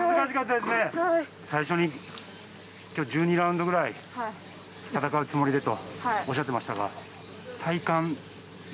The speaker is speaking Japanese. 最初に今日１２ラウンドくらい戦うつもりでとおっしゃってましたが。